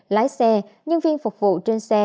lái xe nhân viên phục vụ trên xe